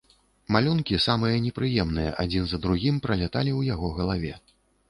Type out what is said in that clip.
Малюнкі самыя непрыемныя адзін за другім праляталі ў яго галаве.